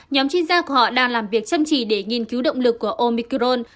nhóm chuyên gia của họ đang làm việc chăm chỉ để nghiên cứu động lực của omicron